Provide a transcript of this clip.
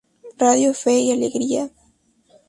Radio Fe y Alegría.